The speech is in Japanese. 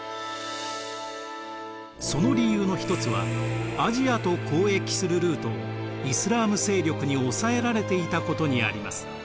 その理由の一つはアジアと交易するルートをイスラーム勢力に抑えられていたことにあります。